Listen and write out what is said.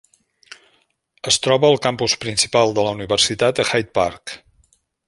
Es troba al campus principal de la universitat a Hyde Park.